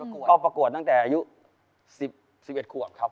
ก็ประกวดตั้งแต่อายุ๑๑ขวบครับ